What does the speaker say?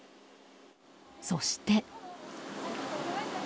そして。